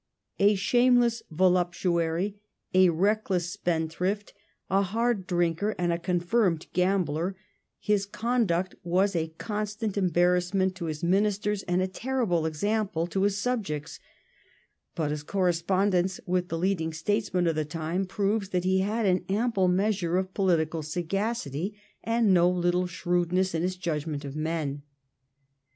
A shameless voluptuary, a reckless spendthrift, a hard drinker, and a confirmed gambler, his conduct was a constant embarrass ment to his ministers and a terrible example to his subjects ; but his correspondence with the leading statesmen ^ of the time proves that he had an ample measure of political sagacity and no little shrewdness in his judgment of men.